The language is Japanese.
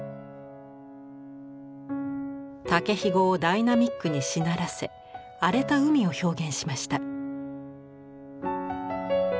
竹ひごをダイナミックにしならせ荒れた海を表現しました。